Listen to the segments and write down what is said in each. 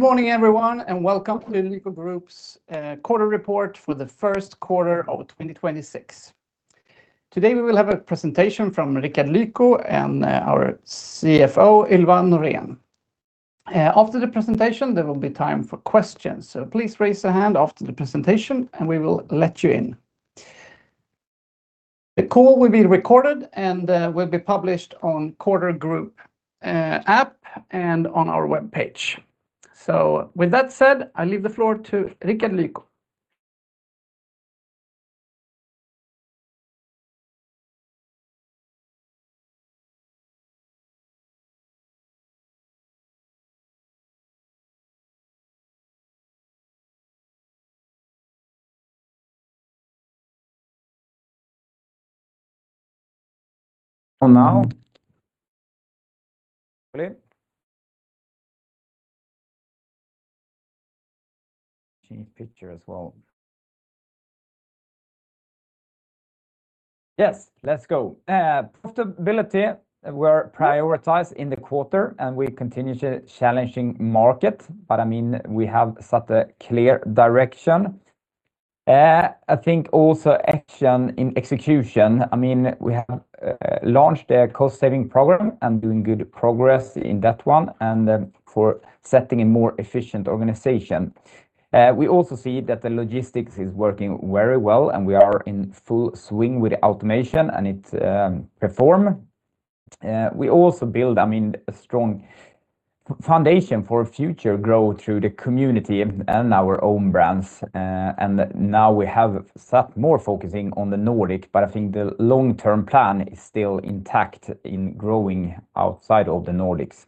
Good morning everyone, and welcome to the Lyko Group quarterly report for the first quarter of 2026. Today we will have a presentation from Rickard Lyko and our CFO, Ylva Norlén. After the presentation, there will be time for questions, so please raise your hand after the presentation and we will let you in. The call will be recorded and will be published on Quartr Group app and on our webpage. With that said, I leave the floor to Rickard Lyko. Profitability were prioritized in the quarter and we continue challenging market, I mean, we have set a clear direction. I think also action in execution, I mean, we have launched a cost-saving program and doing good progress in that one, and for setting a more efficient organization. We also see that the logistics is working very well, and we are in full swing with automation and it perform. We also build, I mean, a strong foundation for future growth through the community and our own brands. Now we have set more focusing on the Nordic, but I think the long-term plan is still intact in growing outside of the Nordics.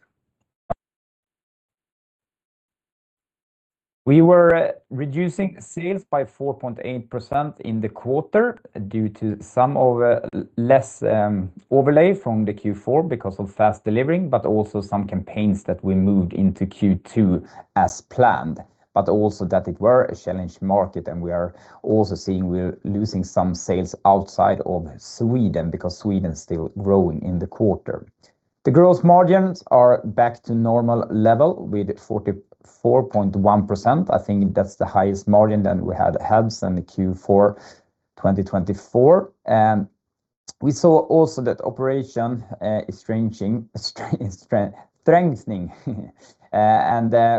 We were reducing sales by 4.8% in the quarter due to somewhat less overlay from the Q4 because of fast delivery, but also some campaigns that we moved into Q2 as planned, but also that it were a challenging market and we are also seeing we're losing some sales outside of Sweden because Sweden is still growing in the quarter. The gross margins are back to normal level with 44.1%. I think that's the highest margin than we had than the Q4 2024. We saw also that operation is strengthening.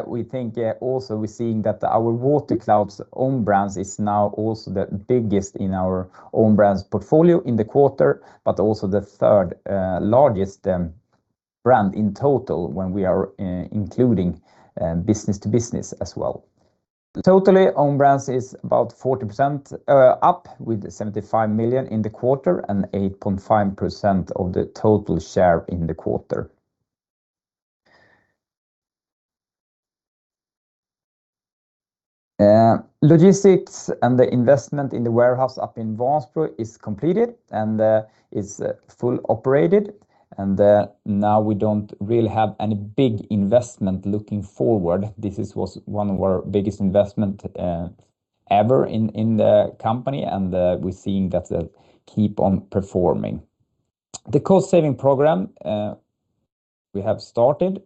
We think also we're seeing that our Waterclouds own brands is now also the biggest in our own brands portfolio in the quarter, but also the third largest brand in total when we are including business to business as well. Totally, own brands is about 40%, up with 75 million in the quarter and 8.5% of the total share in the quarter. Logistics and the investment in the warehouse up in Vansbro is completed and is full operated. Now we don't really have any big investment looking forward. This was one of our biggest investment ever in the company, and we're seeing that they'll keep on performing. The cost saving program we have started.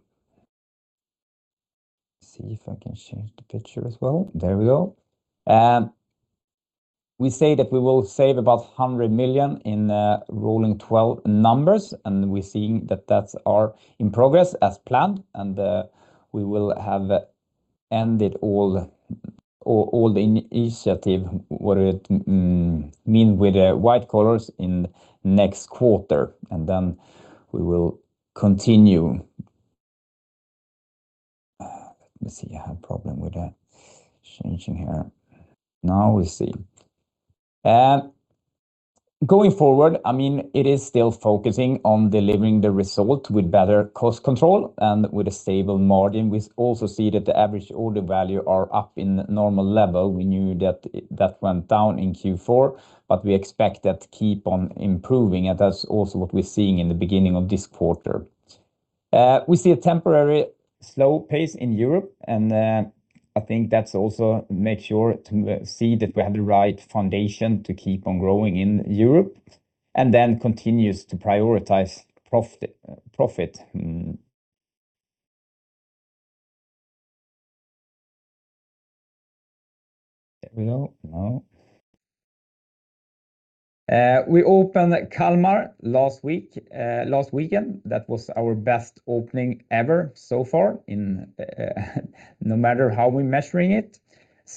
See if I can change the picture as well. There we go. We say that we will save about 100 million in rolling 12 numbers, and we're seeing that that's in progress as planned. We will have ended all the initiative, what it means with the white-collar in next quarter. We will continue. Let me see. I have a problem with changing here. Now we see. Going forward, I mean, it is still focusing on delivering the result with better cost control and with a stable margin. We also see that the average order value are up in normal level. We knew that went down in Q4, but we expect that to keep on improving, and that's also what we're seeing in the beginning of this quarter. We see a temporary slow pace in Europe, and I think that's also to make sure we see that we have the right foundation to keep on growing in Europe, and then we continue to prioritize profit. We opened Kalmar last week, last weekend. That was our best opening ever so far in no matter how we're measuring it.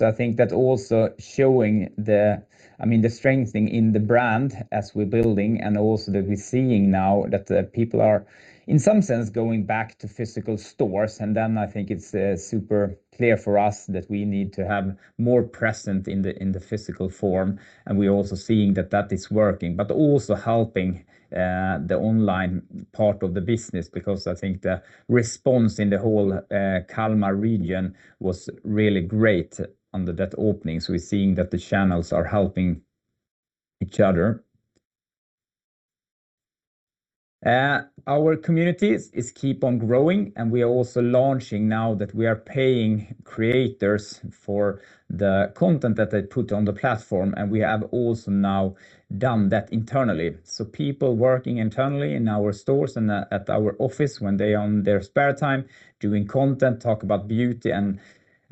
I think that also showing the, I mean, the strengthening in the brand as we're building and also that we're seeing now that people are in some sense going back to physical stores. I think it's super clear for us that we need to have more present in the physical form. We're also seeing that that is working, but also helping the online part of the business because I think the response in the whole Kalmar region was really great under that opening. We're seeing that the channels are helping each other. Our communities is keep on growing, and we are also launching now that we are paying creators for the content that they put on the platform, and we have also now done that internally. People working internally in our stores and at our office when they on their spare time doing content, talk about beauty and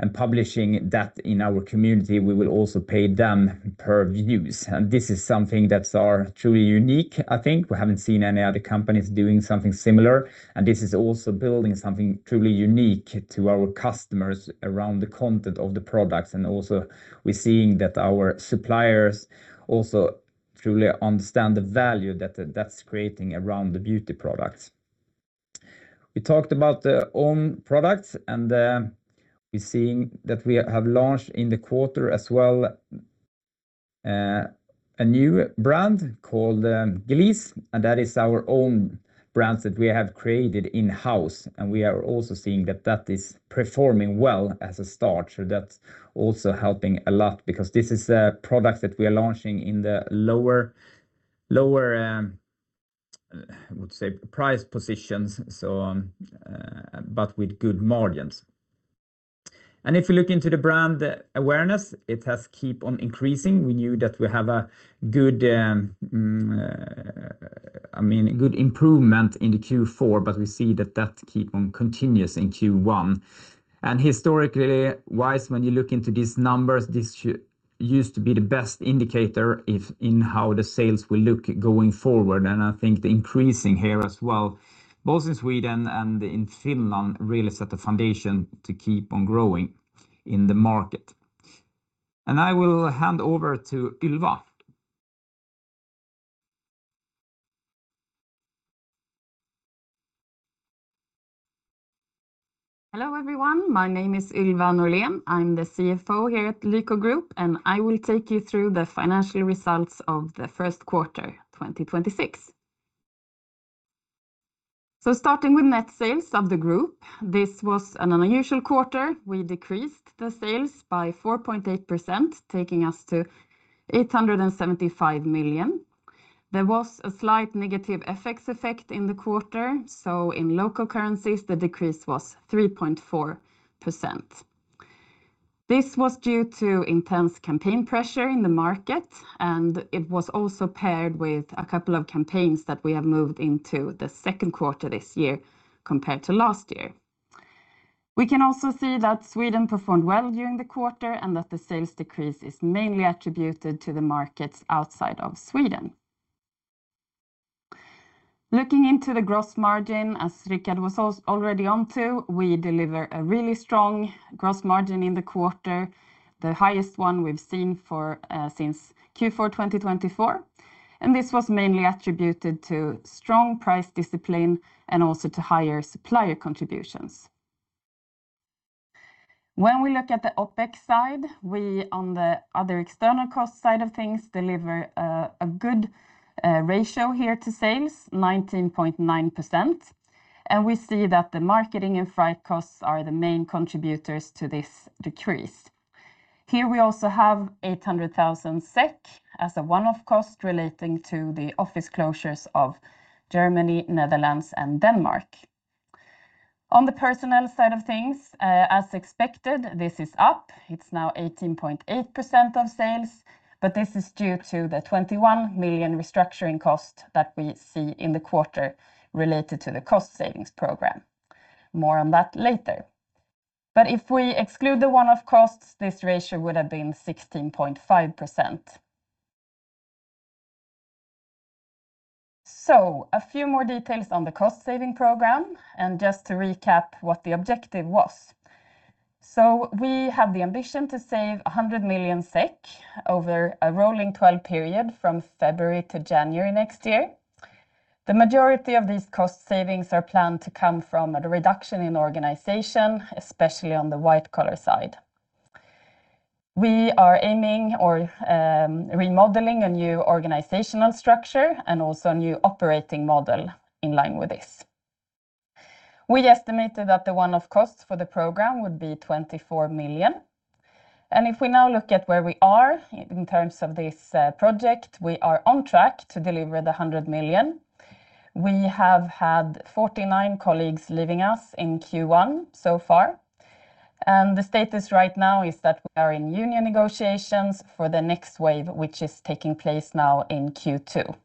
publishing that in our community, we will also pay them per views. This is something that's truly unique, I think. We haven't seen any other companies doing something similar, and this is also building something truly unique to our customers around the content of the products. We're seeing that our suppliers also truly understand the value that that's creating around the beauty products. We talked about our own products, and we're seeing that we have launched in the quarter as well, a new brand called Gleeze, and that is our own brand that we have created in-house. We are also seeing that that is performing well as a start. That's also helping a lot because this is a product that we are launching in the lower I would say price positions, but with good margins. If you look into the brand awareness, it has kept on increasing. We knew that we have a good I mean good improvement in the Q4, but we see that keeps on continuing in Q1. Historically wise, when you look into these numbers, this used to be the best indicator of how the sales will look going forward. I think the increasing here as well, both in Sweden and in Finland, really set the foundation to keep on growing in the market. I will hand over to Ylva. Hello, everyone. My name is Ylva Norlén. I'm the CFO here at Lyko Group, and I will take you through the financial results of the first quarter, 2026. Starting with net sales of the group, this was an unusual quarter. We decreased the sales by 4.8%, taking us to 875 million. There was a slight negative effect in the quarter, so in local currencies, the decrease was 3.4%. This was due to intense campaign pressure in the market, and it was also paired with a couple of campaigns that we have moved into the second quarter this year compared to last year. We can also see that Sweden performed well during the quarter and that the sales decrease is mainly attributed to the markets outside of Sweden. Looking into the gross margin, as Rickard was already onto, we deliver a really strong gross margin in the quarter, the highest one we've seen for since Q4 2024. This was mainly attributed to strong price discipline and also to higher supplier contributions. When we look at the OpEx side, we, on the other external cost side of things, deliver a good ratio here to sales, 19.9%. We see that the marketing and freight costs are the main contributors to this decrease. Here we also have 800,000 SEK as a one-off cost relating to the office closures of Germany, Netherlands, and Denmark. On the personnel side of things, as expected, this is up. It's now 18.8% of sales, but this is due to the 21 million restructuring cost that we see in the quarter related to the cost savings program. More on that later. If we exclude the one-off costs, this ratio would have been 16.5%. A few more details on the cost saving program, and just to recap what the objective was. We have the ambition to save 100 million SEK over a rolling 12 period from February to January next year. The majority of these cost savings are planned to come from a reduction in organization, especially on the white-collar side. We are aiming or remodeling a new organizational structure and also a new operating model in line with this. We estimated that the one-off cost for the program would be 24 million. If we now look at where we are in terms of this project, we are on track to deliver the 100 million. We have had 49 colleagues leaving us in Q1 so far. The status right now is that we are in union negotiations for the next wave, which is taking place now in Q2.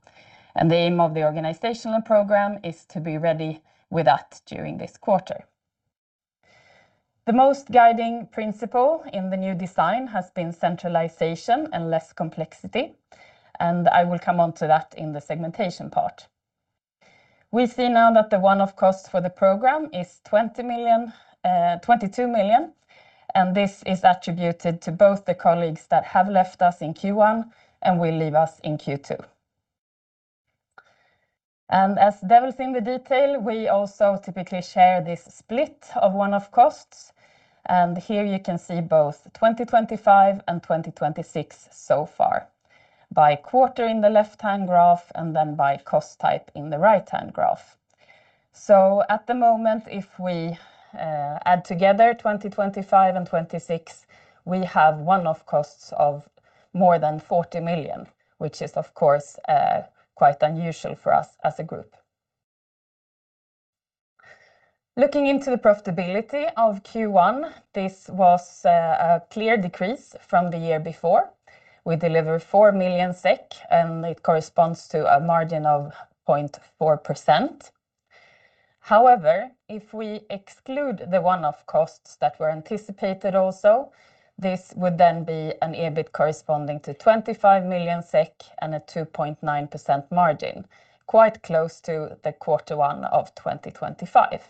The aim of the organizational program is to be ready with that during this quarter. The most guiding principle in the new design has been centralization and less complexity, and I will come on to that in the segmentation part. We see now that the one-off cost for the program is 20 million, 22 million, and this is attributed to both the colleagues that have left us in Q1 and will leave us in Q2. As devil's in the details, we also typically share this split of one-off costs. Here you can see both 2025 and 2026 so far by quarter in the left-hand graph and then by cost type in the right-hand graph. At the moment, if we add together 2025 and 2026, we have one-off costs of more than 40 million, which is of course quite unusual for us as a group. Looking into the profitability of Q1, this was a clear decrease from the year before. We delivered 4 million SEK, and it corresponds to a margin of 0.4%. However, if we exclude the one-off costs that were anticipated also, this would then be an EBIT corresponding to 25 million SEK and a 2.9% margin, quite close to the Q1 of 2025.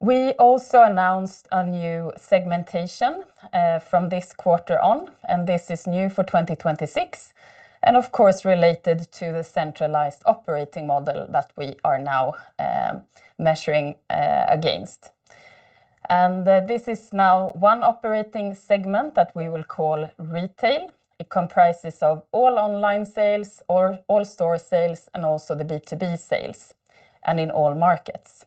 We also announced a new segmentation from this quarter on, and this is new for 2026 and of course related to the centralized operating model that we are now measuring against. This is now one operating segment that we will call retail. It comprises of all online sales or all store sales and also the B2B sales and in all markets.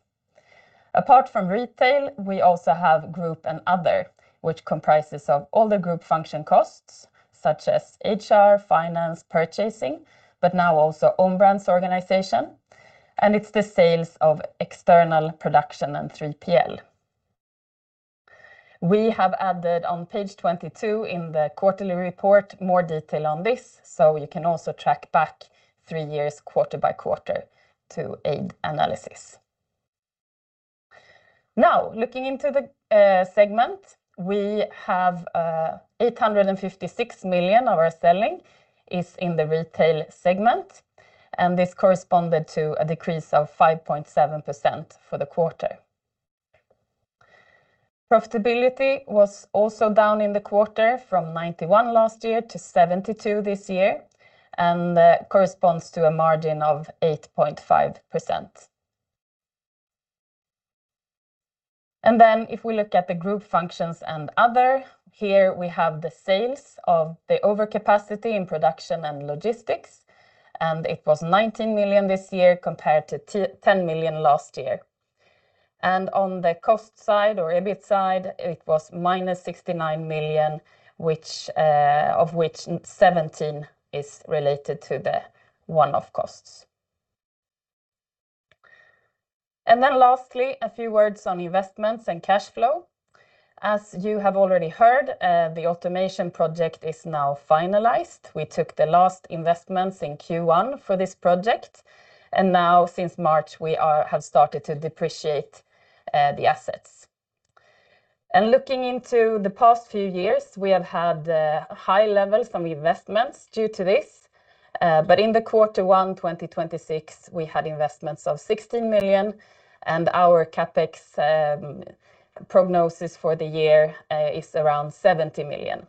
Apart from retail, we also have group and other, which comprises of all the group function costs such as HR, finance, purchasing, but now also own brands organization, and it's the sales of external production and 3PL. We have added on page 22 in the quarterly report more detail on this, so you can also track back three years quarter by quarter to aid analysis. Now, looking into the segment, we have 856 million of our sales in the retail segment, and this corresponded to a decrease of 5.7% for the quarter. Profitability was also down in the quarter from 91 million last year to 72 million this year, and corresponds to a margin of 8.5%. If we look at the group functions and other, here we have the sales of the overcapacity in production and logistics, and it was 19 million this year compared to 10 million last year. On the cost side or EBIT side, it was -69 million, of which 17 million is related to the one-off costs. Lastly, a few words on investments and cash flow. As you have already heard, the automation project is now finalized. We took the last investments in Q1 for this project, and now since March, we have started to depreciate the assets. Looking into the past few years, we have had high levels from investments due to this, but in Q1 2026, we had investments of 16 million, and our CapEx prognosis for the year is around 70 million.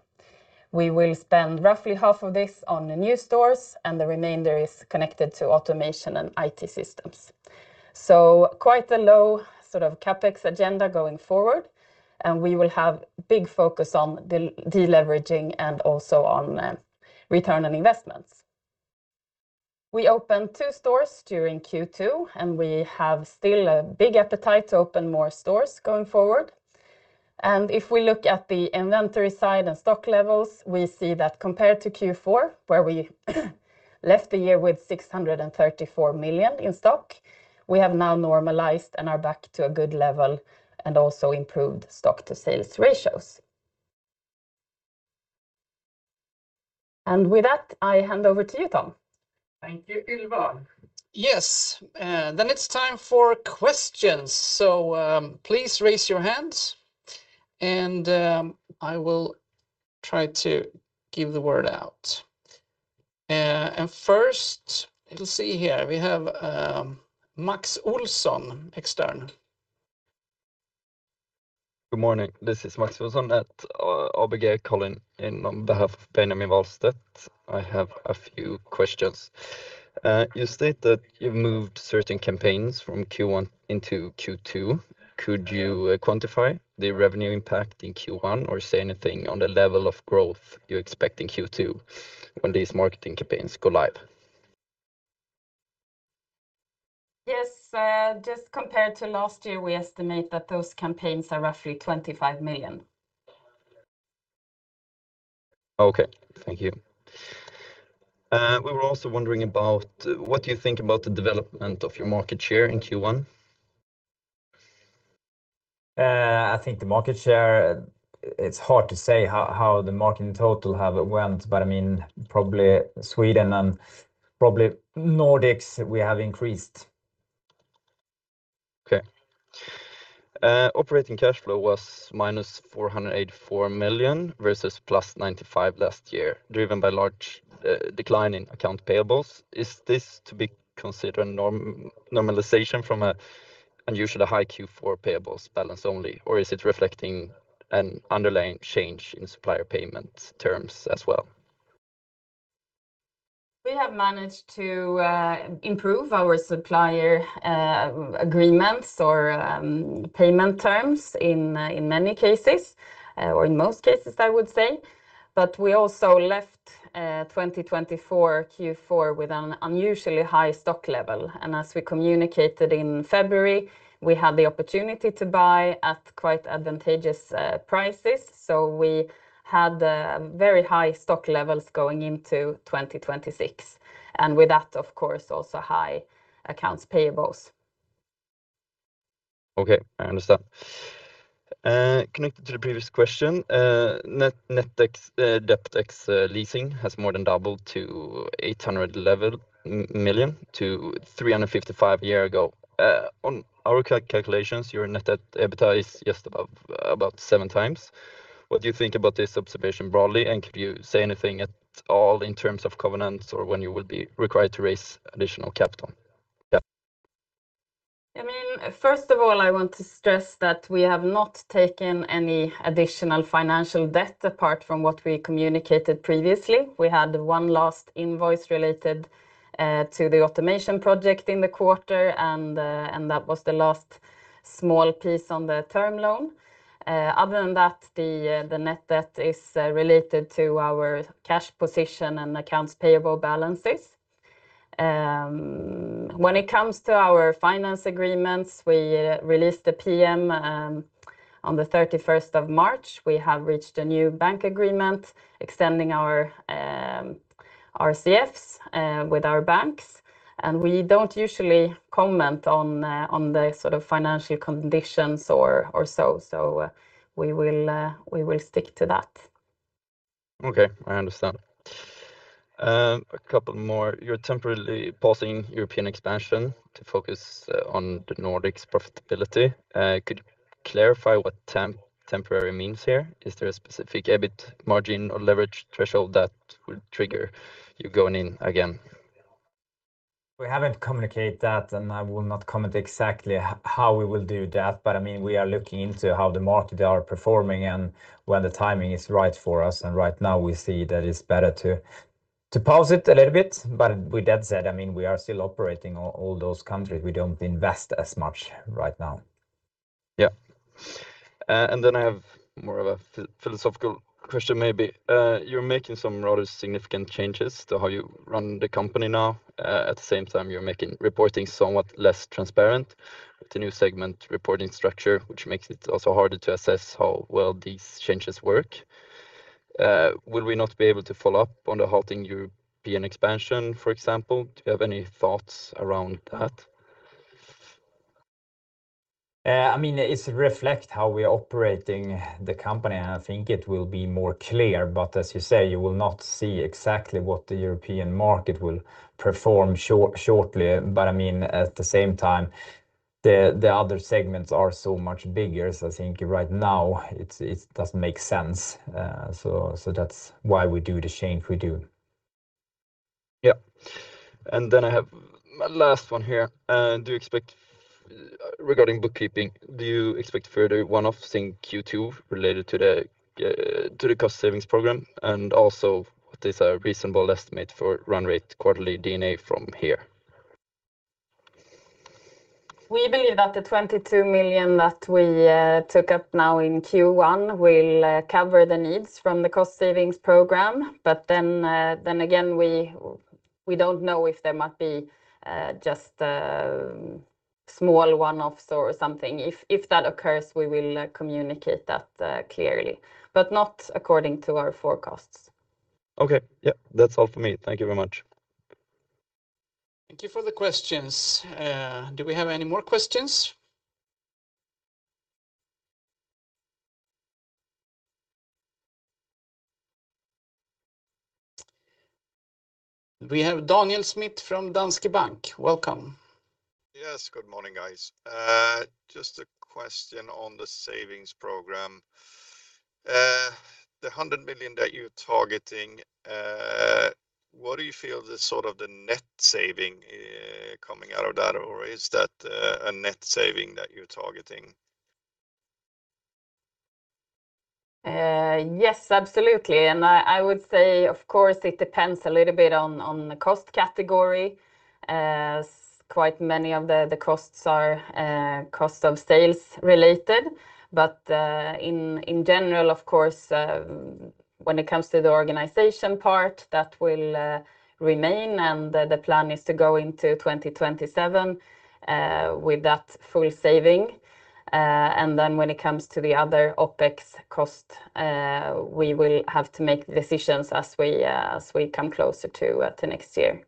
We will spend roughly half of this on the new stores, and the remainder is connected to automation and IT systems. Quite a low sort of CapEx agenda going forward, and we will have big focus on the de-leveraging and also on return on investments. We opened two stores during Q2, and we have still a big appetite to open more stores going forward. If we look at the inventory side and stock levels, we see that compared to Q4, where we left the year with 634 million in stock, we have now normalized and are back to a good level and also improved stock to sales ratios. With that, I hand over to you, Tom. Thank you, Ylva. Yes. It's time for questions. Please raise your hand and I will try to give the word out. First, let us see here, we have Max Olsson, external. Good morning. This is Max Olsson at ABG calling in on behalf of Benjamin Wahlstedt. I have a few questions. You state that you've moved certain campaigns from Q1 into Q2. Could you quantify the revenue impact in Q1 or say anything on the level of growth you expect in Q2 when these marketing campaigns go live? Yes. Just compared to last year, we estimate that those campaigns are roughly 25 million. Okay. Thank you. We were also wondering about what you think about the development of your market share in Q1. I think the market share, it's hard to say how the market in total have went, but I mean, probably Sweden and probably Nordics, we have increased. Okay. Operating cash flow was -484 million versus +95 million last year, driven by large decline in accounts payable. Is this to be considered normalization from an unusually high Q4 payables balance only, or is it reflecting an underlying change in supplier payment terms as well? We have managed to improve our supplier agreements or payment terms in many cases or in most cases, I would say. We also left 2024 Q4 with an unusually high stock level. As we communicated in February, we had the opportunity to buy at quite advantageous prices. We had very high stock levels going into 2026. With that, of course, also high accounts payables. Okay, I understand. Connected to the previous question, net debt ex leasing has more than doubled to 811 million from 355 million a year ago. On our calculations, your net debt to EBITDA is just above about seven times. What do you think about this observation broadly, and could you say anything at all in terms of covenants or when you will be required to raise additional capital? Yeah. I mean, first of all, I want to stress that we have not taken any additional financial debt apart from what we communicated previously. We had one last invoice related to the automation project in the quarter and that was the last small piece on the term loan. Other than that, the net debt is related to our cash position and accounts payable balances. When it comes to our finance agreements, we released the PM on the 31st of March. We have reached a new bank agreement extending our RCFs with our banks, and we don't usually comment on the sort of financial conditions or so. We will stick to that. Okay. I understand. A couple more. You're temporarily pausing European expansion to focus on the Nordics profitability. Could you clarify what temporary means here? Is there a specific EBIT margin or leverage threshold that would trigger you going in again? We haven't communicated that, and I will not comment exactly how we will do that. I mean, we are looking into how the market are performing and when the timing is right for us. Right now we see that it's better to pause it a little bit. With that said, I mean, we are still operating all those countries. We don't invest as much right now. I have more of a philosophical question maybe. You're making some rather significant changes to how you run the company now. At the same time, you're making reporting somewhat less transparent with the new segment reporting structure, which makes it also harder to assess how well these changes work. Will we not be able to follow up on the halting European expansion, for example? Do you have any thoughts around that? I mean, it reflects how we are operating the company, and I think it will be more clear. As you say, you will not see exactly what the European market will perform shortly. I mean, at the same time, the other segments are so much bigger. I think right now, it doesn't make sense. That's why we do the change we do. Yeah. Then I have my last one here. Regarding bookkeeping, do you expect further one-offs in Q2 related to the cost savings program? Also, what is a reasonable estimate for run rate quarterly D&A from here? We believe that the 22 million that we took up now in Q1 will cover the needs from the cost savings program. Then again, we don't know if there might be just small one-offs or something. If that occurs, we will communicate that clearly, but not according to our forecasts. Okay. Yeah. That's all for me. Thank you very much. Thank you for the questions. Do we have any more questions? We have Daniel Schmidt from Danske Bank. Welcome. Yes. Good morning, guys. Just a question on the savings program. The 100 million that you're targeting, what do you feel is sort of the net saving coming out of that? Or is that a net saving that you're targeting? Yes, absolutely. I would say, of course, it depends a little bit on the cost category, as quite many of the costs are cost of sales related. In general, of course, when it comes to the organization part, that will remain. The plan is to go into 2027 with that full saving. When it comes to the other OpEx cost, we will have to make decisions as we come closer to next year.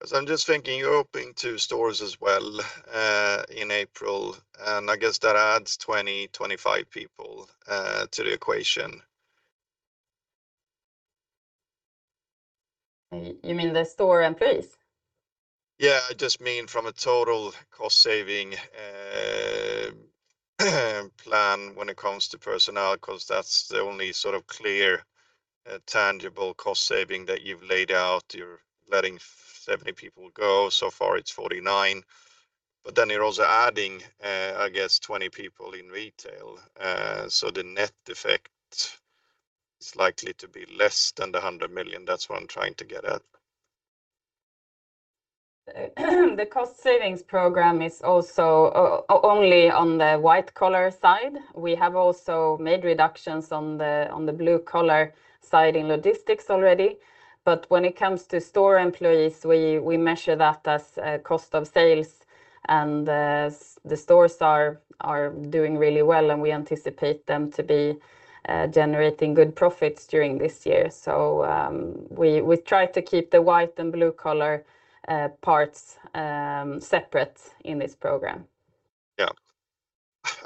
'Cause I'm just thinking you're opening two stores as well, in April, and I guess that adds 20-25 people to the equation. You mean the store employees? Yeah, I just mean from a total cost saving plan when it comes to personnel, 'cause that's the only sort of clear tangible cost saving that you've laid out. You're letting 70 people go. So far, it's 49. You're also adding, I guess, 20 people in retail. The net effect is likely to be less than 100 million. That's what I'm trying to get at. The cost savings program is also only on the white-collar side. We have also made reductions on the blue collar side in logistics already. When it comes to store employees, we measure that as a cost of sales and the stores are doing really well, and we anticipate them to be generating good profits during this year. We try to keep the white and blue-collar parts separate in this program. Yeah.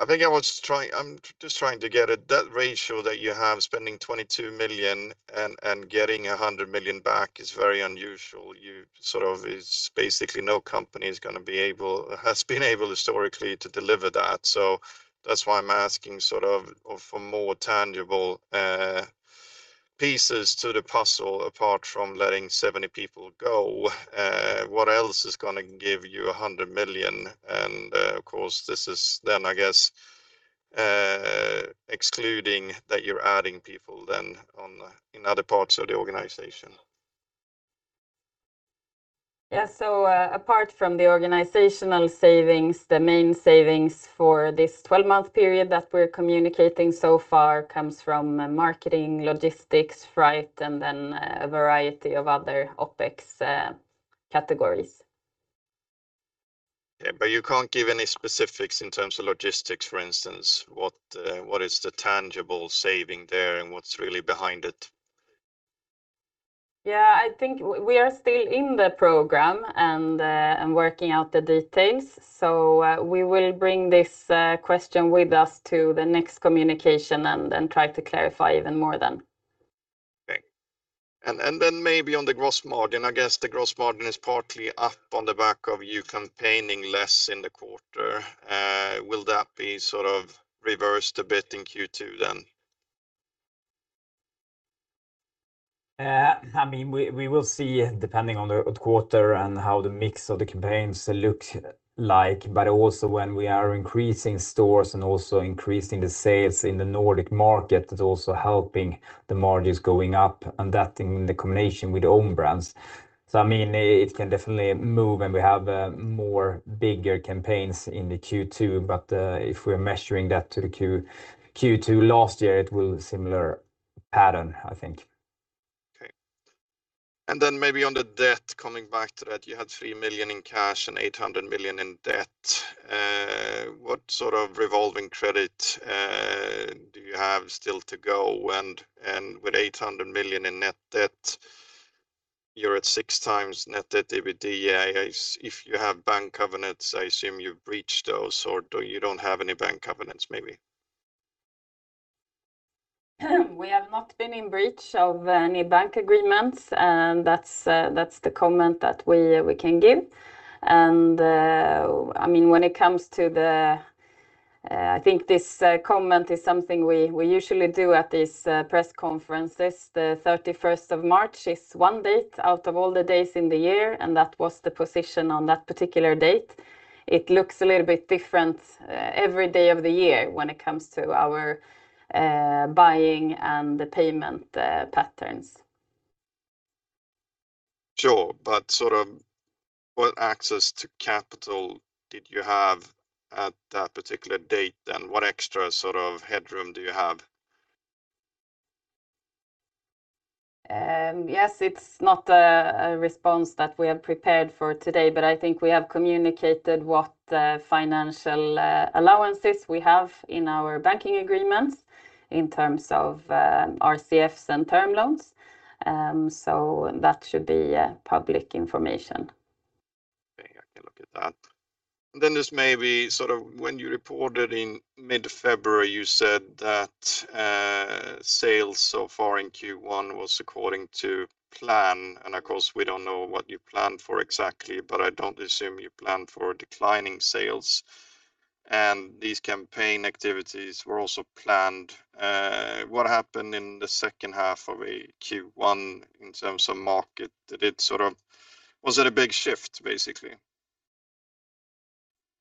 I think I'm just trying to get at that ratio that you have spending 22 million and getting 100 million back is very unusual. It's basically no company has been able historically to deliver that. That's why I'm asking sort of for more tangible pieces to the puzzle apart from letting 70 people go, what else is gonna give you 100 million? Of course, this is then, I guess, excluding that you're adding people in other parts of the organization. Yeah. Apart from the organizational savings, the main savings for this 12-month period that we're communicating so far comes from marketing, logistics, freight, and then a variety of other OpEx categories. Yeah, you can't give any specifics in terms of logistics, for instance, what is the tangible saving there, and what's really behind it? Yeah, I think we are still in the program and working out the details, so we will bring this question with us to the next communication and then try to clarify even more then. Okay. Maybe on the gross margin, I guess the gross margin is partly up on the back of you campaigning less in the quarter. Will that be sort of reversed a bit in Q2 then? I mean, we will see, depending on the quarter and how the mix of the campaigns look like, but also when we are increasing stores and also increasing the sales in the Nordic market. It's also helping the margins going up and that in the combination with own brands. I mean, it can definitely move, and we have more bigger campaigns in the Q2, but if we're measuring that to the Q2 last year, it will similar pattern, I think. Okay. Maybe on the debt, coming back to that, you had 3 million in cash and 800 million in debt. What sort of revolving credit do you have still to go? With 800 million in net debt, you're at six times net debt EBITDA. If you have bank covenants, I assume you've breached those, or do you don't have any bank covenants maybe? We have not been in breach of any bank agreements, and that's the comment that we can give. I mean, when it comes to the, I think this comment is something we usually do at these press conferences. The 31st of March is one date out of all the days in the year, and that was the position on that particular date. It looks a little bit different every day of the year when it comes to our buying and the payment patterns. Sure. Sort of what access to capital did you have at that particular date, and what extra sort of headroom do you have? Yes, it's not a response that we have prepared for today, but I think we have communicated what financial allowances we have in our banking agreements in terms of RCFs and term loans. That should be public information. Okay, I can look at that. This may be sort of when you reported in mid-February, you said that sales so far in Q1 was according to plan. Of course, we don't know what you planned for exactly, but I don't assume you planned for declining sales. These campaign activities were also planned. What happened in the second half of Q1 in terms of market? Did it sort of? Was it a big shift, basically?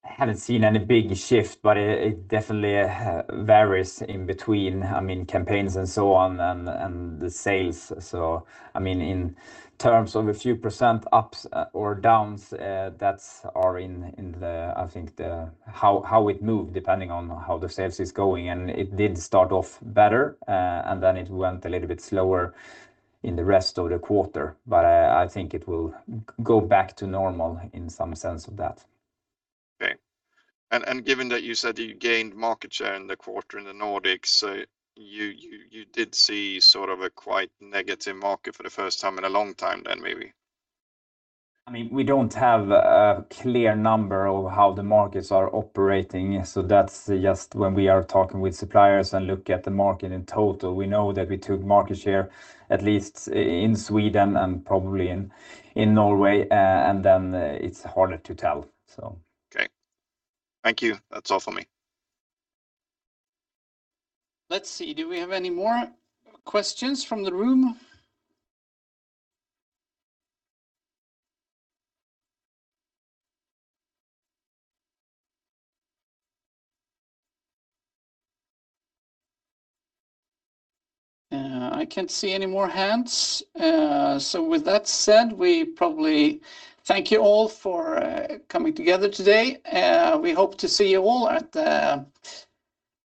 I haven't seen any big shift, but it definitely varies in between, I mean, campaigns and so on and the sales. I mean, in terms of a few percent ups or downs, that's a range in how it moves depending on how the sales is going, and it did start off better, and then it went a little bit slower in the rest of the quarter. I think it will go back to normal in some sense of that. Okay. Given that you said you gained market share in the quarter in the Nordics, you did see sort of a quite negative market for the first time in a long time then maybe. I mean, we don't have a clear number of how the markets are operating. That's just when we are talking with suppliers and look at the market in total. We know that we took market share, at least in Sweden and probably in Norway, and then it's harder to tell. Okay. Thank you. That's all for me. Let's see. Do we have any more questions from the room? I can't see any more hands. With that said, we probably thank you all for coming together today. We hope to see you all at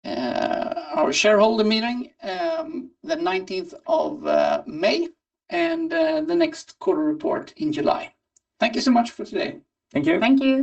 our shareholder meeting, the 19th of May and the next quarter report in July. Thank you so much for today. Thank you. Thank you.